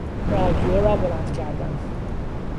رادیو را بلند کردن